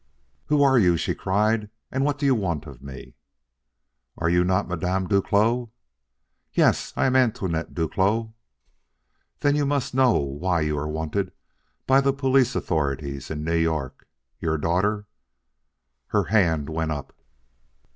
"Who are you?" she cried. "And what do you want of me?" "Are you not Madame Duclos?" "Yes, I am Antoinette Duclos." "Then you must know why you are wanted by the police authorities of New York. Your daughter " Her hand went up.